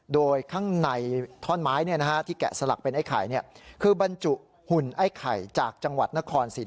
โดยข้างในท่อนไม้ที่แกะสลักเป็นไอ้ไข่